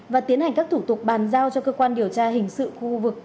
và tiến hành các thủ tục bàn giao cho cơ quan điều tra hình sự khu vực